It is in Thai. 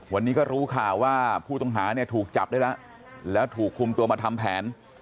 วันนี้ก็รู้ข่าวว่าผู้ต้องหาเนี่ยถูกจับได้แล้วแล้วถูกคุมตัวมาทำแผน